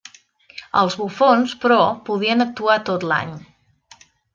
Els bufons, però, podien actuar tot l'any.